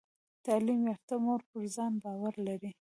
تعلیم یافته مور پر ځان باور لري۔